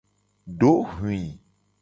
Dohwi.